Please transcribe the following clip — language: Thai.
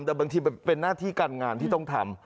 แต่บางทีเป็นหน้าที่การงานที่ต้องทำ